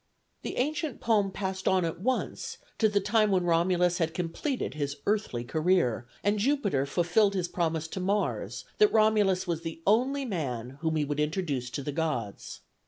The ancient poem passed on at once to the time when Romulus had completed his earthly career, and Jupiter fulfilled his promise to Mars, that Romulus was the only man whom he would introduce among the gods.